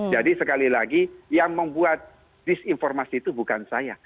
jadi sekali lagi yang membuat disinformasi itu bukan saya